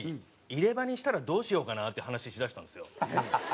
「入れ歯にしたらどうしようかな」って話しだしたんですよ。